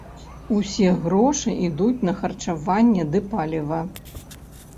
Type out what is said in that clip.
Усе грошы ідуць на харчаванне ды паліва.